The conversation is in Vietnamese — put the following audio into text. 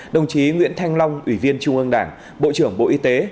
đồng chí nguyễn thanh long ủy viên trung ương đảng bộ trưởng bộ y tế